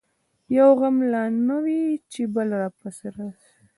یو غم نه لا نه وي چي بل پر راسي